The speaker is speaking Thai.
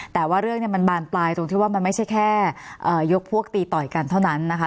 แต่ว่าเรื่องนี้มันบานปลายตรงที่ว่ามันไม่ใช่แค่ยกพวกตีต่อยกันเท่านั้นนะคะ